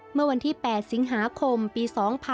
เมื่อวันที่๘สิงหาคมปี๒๕๖๒